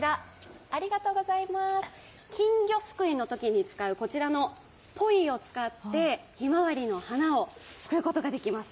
こちら、金魚すくいのときに使うこちらのポイを使ってひまわりの花をすくうことができます。